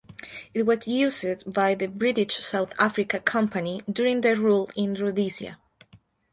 It was used by the British South Africa Company during their rule in Rhodesia.